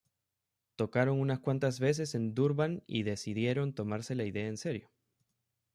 Tocaron unas cuantas veces en Durban y decidieron tomarse la idea en serio.